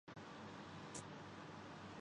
جاپانی صنعتی کمپنیوں کو بہتر سمجھنا چاہِیے